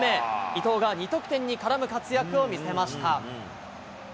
伊東が２得点に絡む活躍を見せました。